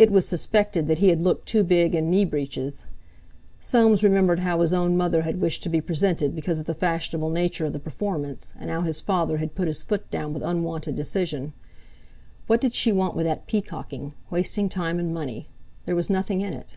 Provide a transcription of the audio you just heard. It was suspected that he had looked too big in knee breeches. Soames remembered how his own mother had wished to be presented because of the fashionable nature of the performance, and how his father had put his foot down with unwonted decision. What did she want with that peacocking—wasting time and money; there was nothing in it!